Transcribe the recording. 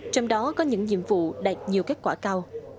trong đó có những nhiệm vụ đạt nhiều kết quả cao